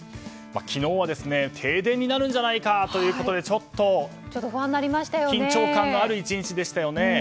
昨日は停電になるんじゃないかということでちょっと緊張感のある１日でしたよね。